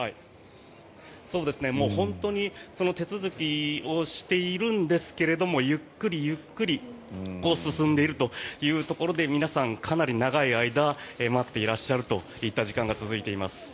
本当に手続きをしているんですがゆっくりゆっくり進んでいるというところで皆さん、かなり長い間待っていらっしゃるといった時間が続いています。